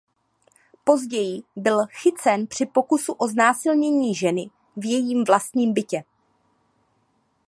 Později byl chycen při pokusu o znásilnění ženy v jejím vlastním bytě.